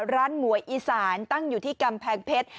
หมวยอีสานตั้งอยู่ที่กำแพงเพชร